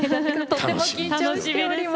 とても緊張しております。